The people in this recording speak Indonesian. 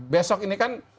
besok ini kan